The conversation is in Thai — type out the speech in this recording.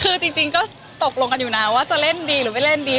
คือจริงก็ตกลงกันอยู่นะว่าจะเล่นดีหรือไม่เล่นดี